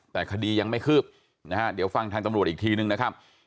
แต่คดียังไม่คืบนะฮะเดี๋ยวฟังทางตำรวจอีกทีนึงนะครับ